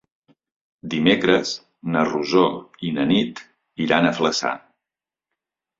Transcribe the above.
Dimecres na Rosó i na Nit iran a Flaçà.